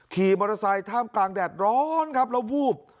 ขี่มอเตอร์ไซค์ท่ามกลางแดดร้อนครับแล้ววูบ